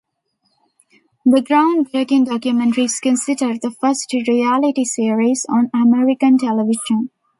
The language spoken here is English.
The groundbreaking documentary is considered the first "reality" series on American television.